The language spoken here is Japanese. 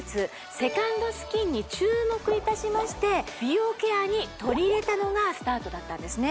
セカンドスキンに注目いたしまして美容ケアに取り入れたのがスタートだったんですね・